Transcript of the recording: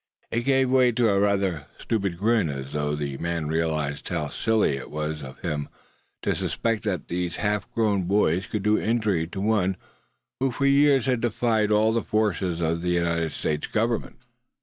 It gave way to a rather stupid grin; as though the man realized how silly it was of him to suspect that these half grown boys could do injury to one who for years had defied all the forces of the United States Government.